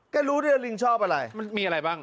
ก็รู้ด้วยลิงชอบอะไรมันมีอะไรบ้าง